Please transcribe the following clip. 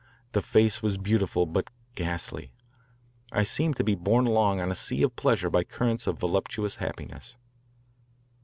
The face was beautiful but ghastly. I seemed to be borne along on a sea of pleasure by currents of voluptuous happiness.